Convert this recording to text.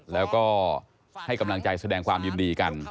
แล้วก็ให้กำลังใจแสดงความยินดีกัน